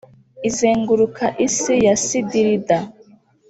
Izenguruka isi ya Sidirida